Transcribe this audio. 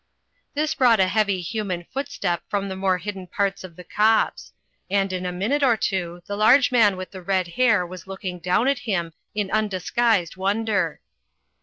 This brought a heavy human footstep from the more hidden parts of the copse ; and in a minute or two the large man with the red hair was looking down at him in undisguised wonder.